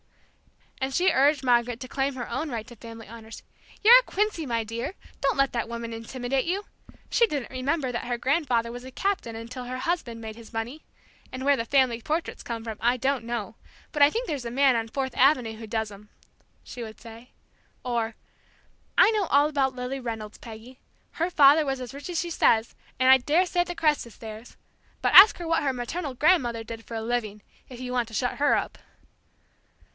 And she urged Margaret to claim her own right to family honors: "You're a Quincy, my dear! Don't let that woman intimidate you, she didn't remember that her grandfather was a captain until her husband made his money. And where the family portraits came from I don't know, but I think there's a man on Fourth Avenue who does 'em!" she would say, or, "I know all about Lilly Reynolds, Peggy. Her father was as rich as she says, and I daresay the crest is theirs. But ask her what her maternal grandmother did for a living, if you want to shut her up!"